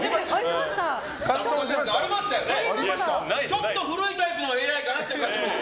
ちょっと古いタイプのＡＩかなっていう。